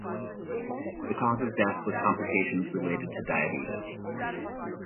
The cause of death was complications related to diabetes.